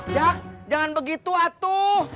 jak jangan begitu atuh